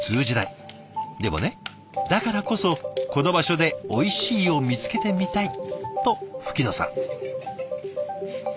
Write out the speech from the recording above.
でもねだからこそこの場所で「おいしい」を見つけてみたいと吹野さん。